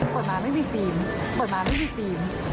เปิดมาไม่มีธีม